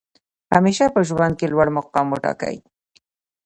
همېشه په ژوند کښي لوړ مقام وټاکئ!